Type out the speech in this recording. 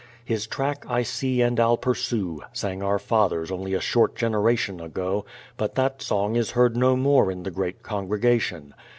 "His track I see and I'll pursue," sang our fathers only a short generation ago, but that song is heard no more in the great congregation.